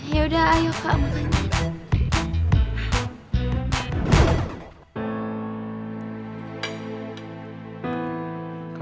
yaudah ayo kak makan